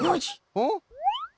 おっ？